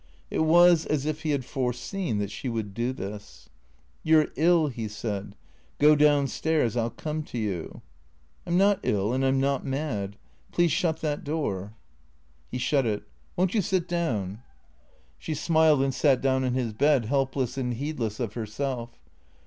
It was as if he had foreseen that she would do this. "You're ill," he said. "Go down stairs; I'll come to you." " I 'm not ill and I 'm not mad. Please shut that door." He shut it. " Won't you sit down ?" THECREATOES 239 She smiled and sat down on his bed, helpless and heedless of herself.